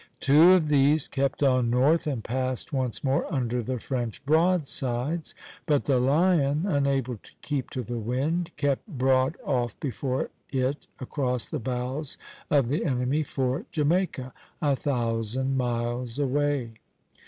Two of these (c') kept on north and passed once more under the French broadsides; but the "Lion" (c''), unable to keep to the wind, kept broad off before it across the bows of the enemy, for Jamaica, a thousand miles away.